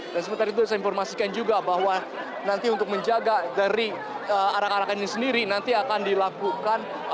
dan sementara itu saya informasikan juga bahwa nanti untuk menjaga dari arak arakan ini sendiri nanti akan dilakukan